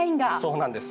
そうなんです。